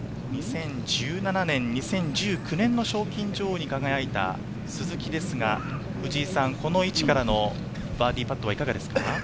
２０１７年、２０１９年の賞金女王に輝いた鈴木ですが、この位置からのバーディーパットはいかがですか？